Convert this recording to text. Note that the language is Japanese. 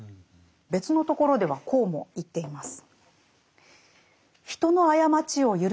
別の所ではこうも言っています。